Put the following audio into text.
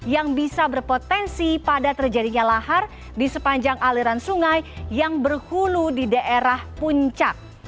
yang bisa berpotensi pada terjadinya lahar di sepanjang aliran sungai yang berhulu di daerah puncak